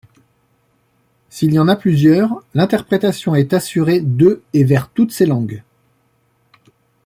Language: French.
S'il y en a plusieurs, l'interprétation est assurée de et vers toutes ces langues.